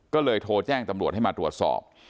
ก็เลยโทรแจ้งตำรวจให้มาตรวจสอบ